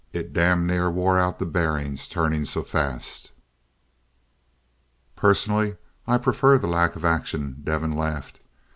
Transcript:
It damn near wore out the bearings turning so fast." "Personally, I prefer the lack of action." Devin laughed.